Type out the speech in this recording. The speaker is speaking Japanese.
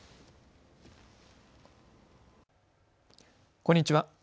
こんにちは。